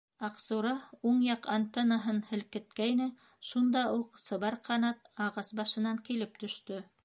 Аҡсура уң яҡ антеннаһын һелкеткәйне, шунда уҡ Сыбар Ҡанат ағас башынан килеп төштө.